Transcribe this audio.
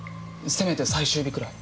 せめて最終日くらい。